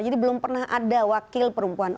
jadi belum pernah ada wakil perempuan